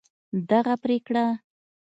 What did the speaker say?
دغه پرېکړه